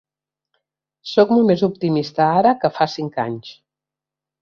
Sóc molt més optimista ara que fa cinc anys.